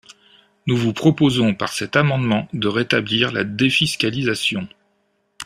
Nous vous proposons par cet amendement de rétablir la défiscalisation.